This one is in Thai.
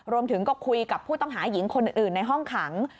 รวมถึงก็คุยกับผู้ต้องหาหญิงคนอื่นในห้องขัง